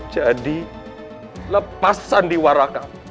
jadi lepasan di warah kamu